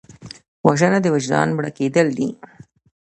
وژنه د وجدان مړه کېدل دي